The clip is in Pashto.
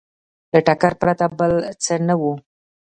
له ټکر پرته بل څه نه وو